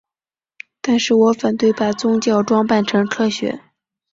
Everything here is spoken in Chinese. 但是我反对把宗教装扮成科学。